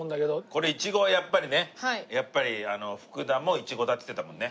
これいちごはやっぱりねやっぱり福田もいちごだって言ってたもんね。